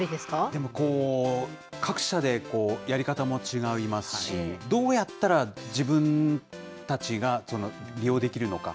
でも、各社でやり方も違いますし、どうやったら自分たちが利用できるのか。